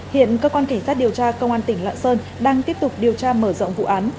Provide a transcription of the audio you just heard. hiện cơ quan kỳ sát điều tra cơ quan tỉnh lợn sơn đang tiếp tục điều tra mở rộng vụ án